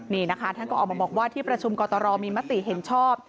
นี่นะคะท่านก็ออกมาบอกว่าที่ประชุมกตรมีมติเห็นชอบ